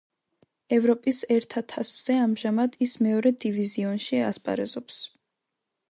ევროპის ერთა თასზე ამჟამად ის მეორე დივიზიონში ასპარეზობს.